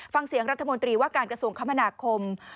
ฟังเสียงรัฐมนตรีว่าการกระทรวงคมนาคม